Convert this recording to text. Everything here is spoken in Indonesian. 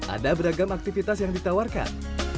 ada beragam aktivitas yang ditawarkan